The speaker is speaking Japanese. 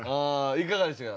いかがでしたか？